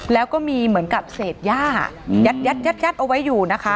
แล้วก็มีเหมือนกับเศษย่ายัดเอาไว้อยู่นะคะ